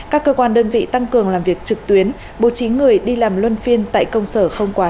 các cơ quan đơn vị tăng cường làm việc trực tuyến bố trí người đi làm luân phiên tại công sở không quá